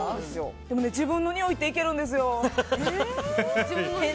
でも、自分のにおいっていけるんですよ。